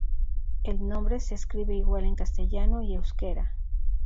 El nombre se escribe igual en castellano y euskera.